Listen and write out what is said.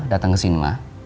datang ke sini ma